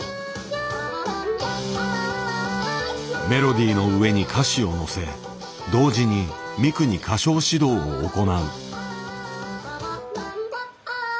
メロディーの上に歌詞をのせ同時にミクに歌唱指導を行う。